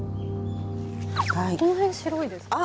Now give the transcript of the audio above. この辺白いですね。